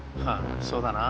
そうだな。